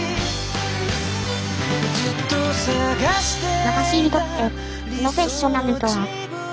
私にとってプロフェッショナルとは。